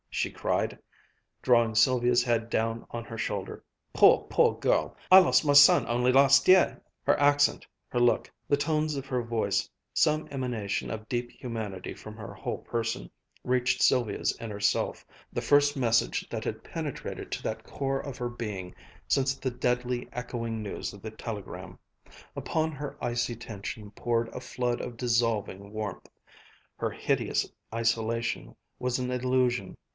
she cried, drawing Sylvia's head down on her shoulder. "Poor girl! Poor girl! I lost my only son last year!" Her accent, her look, the tones of her voice, some emanation of deep humanity from her whole person, reached Sylvia's inner self, the first message that had penetrated to that core of her being since the deadly, echoing news of the telegram. Upon her icy tension poured a flood of dissolving warmth. Her hideous isolation was an illusion.